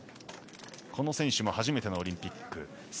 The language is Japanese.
この選手も初めてのオリンピック。